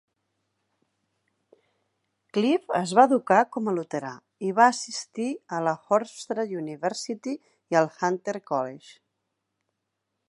Clift es va educar com a luterà i va assistir a la Hofstra University i el Hunter College.